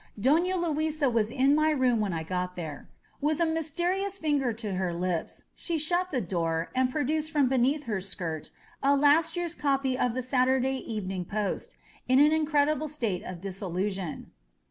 Dona Luisa was in my room when I got there. With a mysterious finger to her lips she shut the door and produced from beneath her skirt a last year's copy of the Saturday Evening Fostj in an incredible state of dissolution.